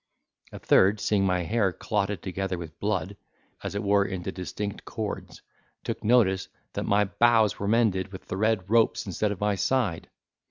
A third, seeing my hair clotted together with blood, as it were into distinct cords, took notice, that my bows were mended with the red ropes, instead of my side.